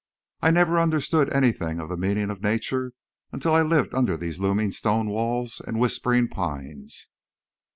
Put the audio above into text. I never understood anything of the meaning of nature until I lived under these looming stone walls and whispering pines.